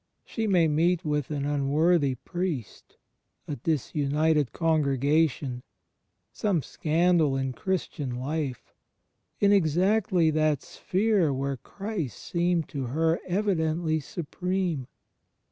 She may meet with an unworthy priest, a disunited congregation, some scandal in Christian life, in exactly that sphere where Christ seemed to her evidently supreme.